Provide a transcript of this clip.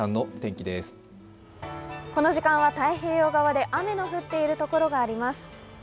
この時間は太平洋側で雨の降っているところがあります。